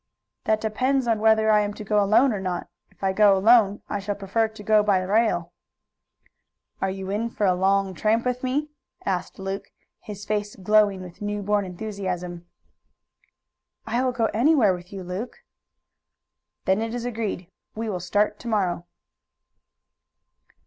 "That depends on whether I am to go alone or not. If I go alone I shall prefer to go by rail." "Are you in for a long tramp with me?" asked Luke, his face glowing with new born enthusiasm. "I will go anywhere with you, Luke." "Then it is agreed. We will start to morrow."